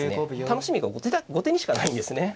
楽しみが後手にしかないんですね。